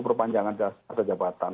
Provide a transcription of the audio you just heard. perpanjangan dasar jabatan